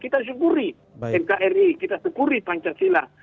kita syukuri nkri kita syukuri pancasila